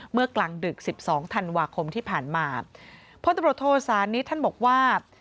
เมื่อกลางดึก๑๒ธันวาคมที่ผ่านมาพลตำรดโทษานิดท่านบอกว่า